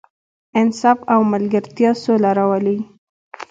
انصاف او ملګرتیا سوله راولي.